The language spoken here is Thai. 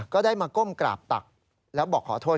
ได้มาก้มกราบตักแล้วบอกขอโทษ